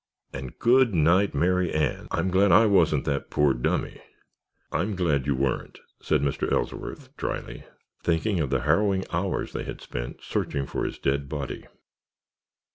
And goodnight, Mary Ann! I'm glad I wasn't that poor dummy——" "I'm glad you weren't," said Mr. Ellsworth, dryly, thinking of the harrowing hours they had spent searching for his dead body.